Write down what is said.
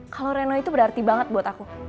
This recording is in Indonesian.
kalau reno itu berarti banget buat aku